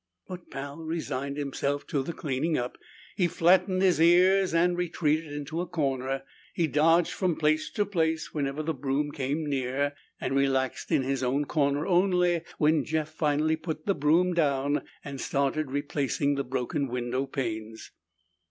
But Pal resigned himself to the cleaning up. He flattened his ears and retreated into a corner. He dodged from place to place whenever the broom came near, and relaxed in his own corner only when Jeff finally put the broom down and started replacing the broken window panes.